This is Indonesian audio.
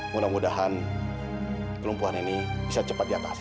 mudah mudahan kelumpuhan ini bisa cepat diatasi